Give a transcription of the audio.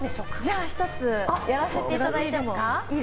じゃあ１つやらせていただいてもいいですか。